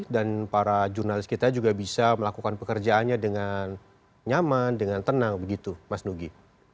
dan para jurnalis kita juga bisa melakukan pekerjaannya dengan nyaman dengan tenang begitu mas nugi